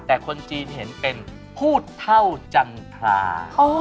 แต่คนจีนเห็นเป็นพูดเท่าจันทรา